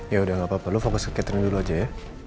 ya udah gak apa apa perlu fokus ke catering dulu aja ya